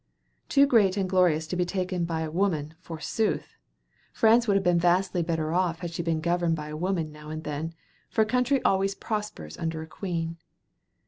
Too great and glorious to be taken by woman, forsooth! France would have been vastly better off had she been governed by a woman now and then, for a country always prospers under a queen.